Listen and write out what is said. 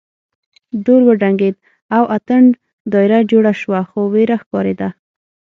ډول وډنګېد او اتڼ دایره جوړه شوه خو وېره ښکارېده.